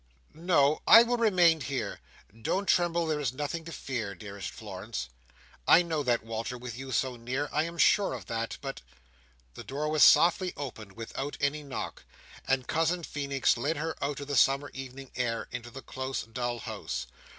"No, I will remain here. Don't tremble there is nothing to fear, dearest Florence." "I know that, Walter, with you so near. I am sure of that, but—" The door was softly opened, without any knock, and Cousin Feenix led her out of the summer evening air into the close dull house.